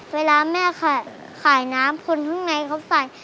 เวลาแม่ขายน้ำคนทุกในเขาสั่ง